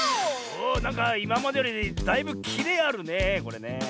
おなんかいままでよりだいぶキレあるねこれねえ。